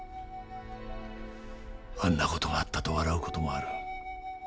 あんな事があったと笑う事もある。